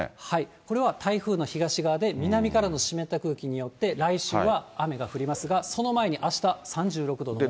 これは台風の東側で南からの湿った空気によって、来週は雨が降りますが、その前にあした、３６度の猛暑。